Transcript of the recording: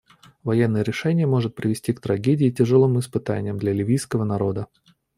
Военное решение может привести к трагедии и тяжелым испытаниям для ливийского народа.